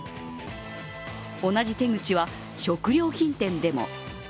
同じ手口は食料品店でも。